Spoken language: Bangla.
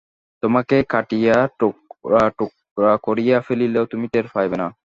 তোমাকে কাটিয়া টুকরা টুকরা করিয়া ফেলিলেও তুমি টের পাইবে না।